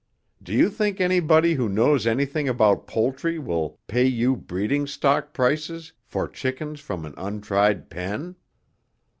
Do you think anybody who knows anything about poultry will pay you breeding stock prices for chickens from an untried pen?"